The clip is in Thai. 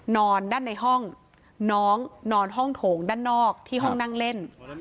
นอนด้านในห้องน้องนอนห้องโถงด้านนอกที่ห้องนั่งเล่น